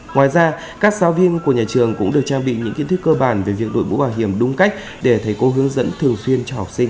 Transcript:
ngoài ra các giáo viên của nhà trường cũng được trang bị những kiến thức cơ bản về việc đội mũ bảo hiểm đúng cách để thầy cô hướng dẫn thường xuyên cho học sinh